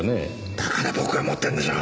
だから僕が持ってるんでしょう。